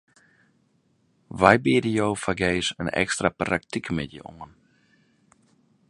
Wy biede jo fergees in ekstra praktykmiddei oan.